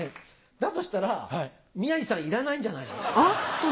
だとしたら宮治さんいらないんじゃないの？